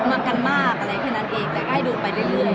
มากันมากอะไรแค่นั้นเองแต่ก็ให้ดูไปเรื่อย